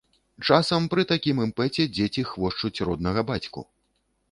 Часам пры такім імпэце дзеці хвошчуць роднага бацьку.